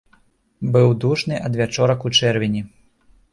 Быў душны адвячорак у чэрвені.